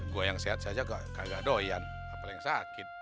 gue yang sehat saja kagak doyan apalagi yang sakit